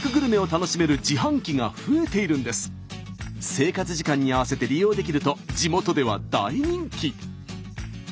生活時間に合わせて利用できると地元では大人気。